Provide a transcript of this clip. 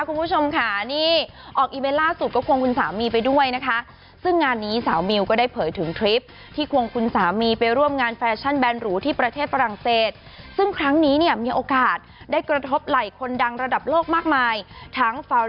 คุณผู้ชมขานี่ออกอีเวนต์ล่าสุดก็ควงคุณสามีไปด้วยนะคะ